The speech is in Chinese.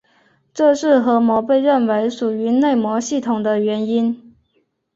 这是核膜被认为属于内膜系统的原因。